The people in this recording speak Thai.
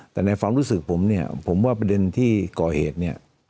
แต่ในความรู้สึกผมเนี่ยผมว่าประเด็นที่ก่อเหตุเนี่ย